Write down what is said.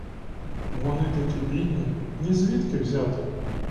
Вони такі бідні, нізвідки взяти.